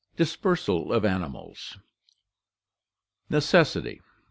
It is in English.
DISPERSAL OF ANIMALS Necessity.